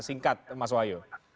singkat mas wahyu